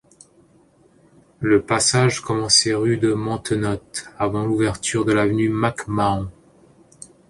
Le passage commençait rue de Montenotte avant l'ouverture de l'avenue Mac-Mahon.